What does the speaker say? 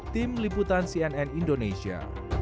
tim liputan cnn indonesia